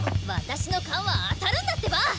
私の勘は当たるんだってば！